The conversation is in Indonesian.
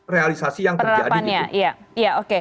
realisasi yang terjadi